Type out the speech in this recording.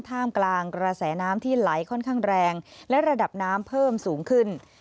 ท่ามกลางกระแสน้ำที่ไหลค่อนข้างแรงและระดับน้ำเพิ่มสูงขึ้น